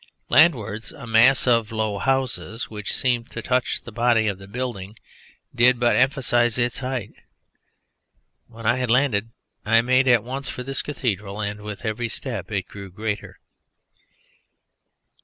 Landwards, a mass of low houses which seemed to touch the body of the building did but emphasise its height. When I had landed I made at once for this cathedral, and with every step it grew greater.